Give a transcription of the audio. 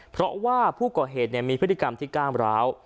เพราะว่าผู้ก่อเหตุมีพฤติกรรมที่ก้ามร้าว